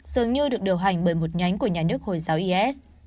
dường như được điều hành bởi một nhánh của nhà nước hồi giáo is